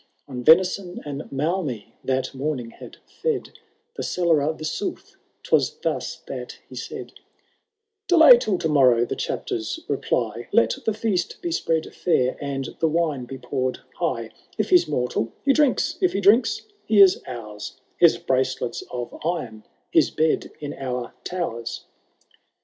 VIIL On venVon and malmsie that morning had fbd The Cellarer Vinsauf^^twas thus that he said ;<* Delay till to morrow the Chapter*s reply ; Let the feast be spread fiur, and the wine be pourM high: If he*b mortal he drinksy— if he drinks, he is ours— His bracelets of iron, — his bed in our towers.